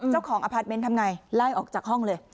อพาร์ทเมนต์ทำไงไล่ออกจากห้องเลย